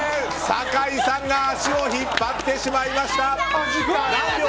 酒井さんが足を引っ張ってしまいました。